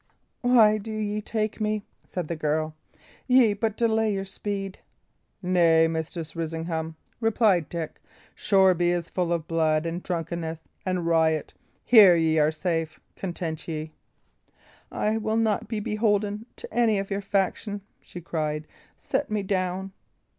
"Why do ye take me?" said the girl. "Ye but delay your speed." "Nay, Mistress Risingham," replied Dick. "Shoreby is full of blood and drunkenness and riot. Here ye are safe; content ye." "I will not be beholden to any of your faction," she cried; "set me down."